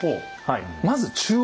まず中央。